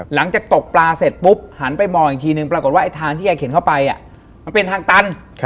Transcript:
หลังจากตกปลาเสร็จปุ๊บหันไปมองอีกทีนึงปรากฏว่าไอ้ทางที่แกเข็นเข้าไปมันเป็นทางตัน